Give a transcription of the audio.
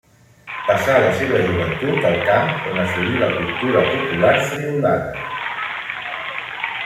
Passà la seva joventut al camp, on assolí la cultura popular friülana.